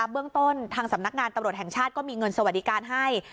เบื้องต้นทางสำนักงานตำรวจแห่งชาติก็มีเงินสวัสดิการให้